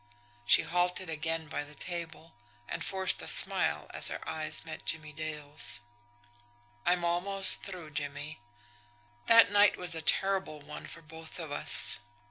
She halted again by the table and forced a smile, as her eyes met Jimmie Dale's. "I am almost through, Jimmie. That night was a terrible one for both of us.